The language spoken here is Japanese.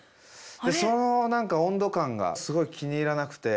その何か温度感がすごい気に入らなくて。